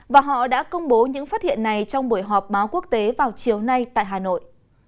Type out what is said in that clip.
và họ đã công bố những phát hiện này trong buổi họp báo quốc tế vào chiều nay tại hà nội